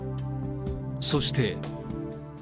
そして。